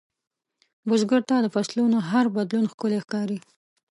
بزګر ته د فصلونـو هر بدلون ښکلی ښکاري